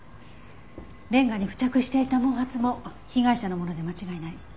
レンガに付着していた毛髪も被害者のもので間違いない。